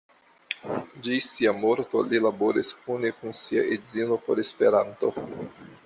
Ĝis sia morto li laboris kune kun sia edzino por Esperanto.